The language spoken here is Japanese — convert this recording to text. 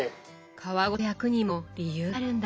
皮ごと焼くにも理由があるんだ。